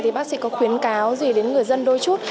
thì bác sĩ có khuyến cáo gì đến người dân đôi chút